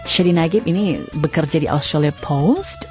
shadi nagib ini bekerja di australia post